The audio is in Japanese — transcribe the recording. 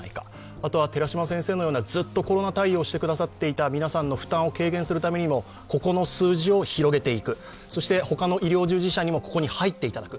または寺嶋先生のようなずっとコロナ対応してくださっていた先生方の負担を軽減するためにもここの数字を広げていくそして他の医療従事者にもここに入っていただく。